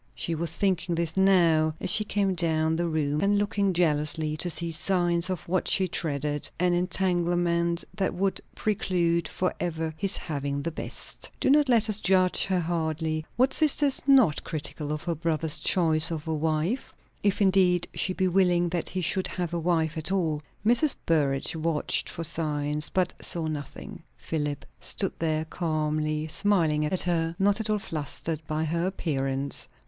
She was thinking this now, as she came down the room, and looking jealously to see signs of what she dreaded, an entanglement that would preclude for ever his having the best. Do not let us judge her hardly. What sister is not critical of her brother's choice of a wife? If, indeed, she be willing that he should have a wife at all. Mrs. Burrage watched for signs, but saw nothing. Philip stood there, calmly smiling at her, not at all flustered by her appearance.